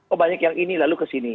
oh banyak yang ini lalu kesini